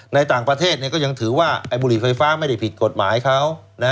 ในต่างประเทศก็ยังถือว่าบุหรี่ไฟฟ้าไม่ได้ผิดกฎหมายเขา